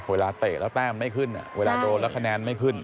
เตะแล้วแต้มไม่ขึ้นเวลาโดนแล้วคะแนนไม่ขึ้น